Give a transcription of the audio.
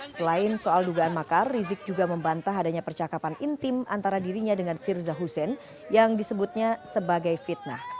selain soal dugaan makar rizik juga membantah adanya percakapan intim antara dirinya dengan firza hussein yang disebutnya sebagai fitnah